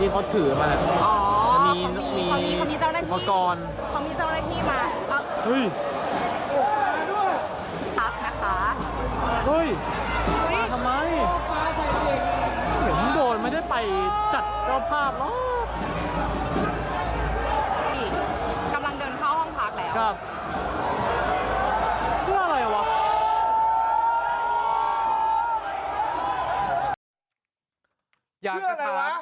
กำลังเดินเข้าห้องพักแล้ว